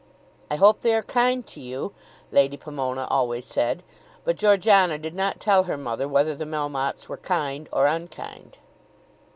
"I hope they are kind to you," Lady Pomona always said. But Georgiana did not tell her mother whether the Melmottes were kind or unkind.